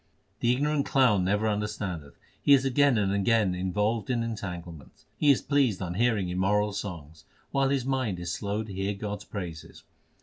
The ignorant clown never understandeth. He is again and again involved in entanglements. He is pleased on hearing immoral songs, While his mind is slow to hear God s praises.